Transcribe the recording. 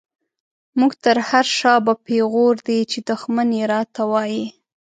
موږ ته هر” شا به” پيغور دی، چی دښمن يې را ته وايې